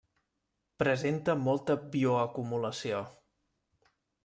Presenta molta bioacumulació.